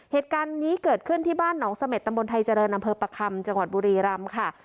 เหตุการณ์นี้เกิดขึ้นที่บ้านหนองเสม็ดตำบลไทยเจริญอำเภอประคำจังหวัดบุรีรำค่ะ